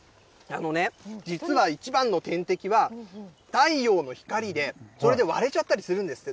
実は一番の天敵は、太陽の光で、これで割れちゃったりするんですって。